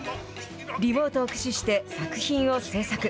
リモートを駆使して、作品を制作。